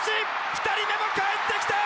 ２人目もかえってきた！